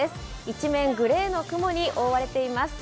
一面グレーの雲に覆われています。